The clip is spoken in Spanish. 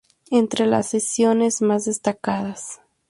Entre las secciones más destacadas;